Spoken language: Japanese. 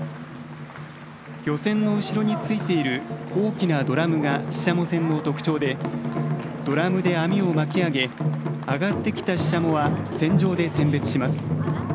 漁船の後ろについている大きなドラムがシシャモ船の特徴でドラムで網を巻き上げ上がってきたシシャモは船上で選別します。